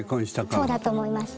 そうだと思います。